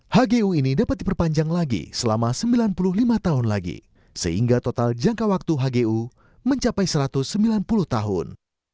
hgu ini dapat diperpanjang lagi selama sembilan puluh lima tahun lagi sehingga total jangka waktu hgu mencapai satu ratus sembilan puluh tahun